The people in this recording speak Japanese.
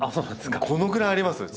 このぐらいありますうち。